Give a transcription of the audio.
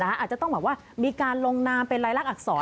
อาจจะต้องแบบว่ามีการลงนามเป็นรายลักษณอักษร